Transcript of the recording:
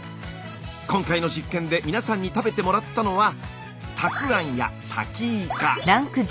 今回の実験で皆さんに食べてもらったのはたくあんやさきいか。